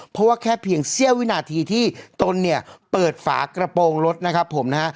เพราะว่าแค่เพียงเสี้ยววินาทีที่ตนเนี่ยเปิดฝากระโปรงรถนะครับผมนะฮะ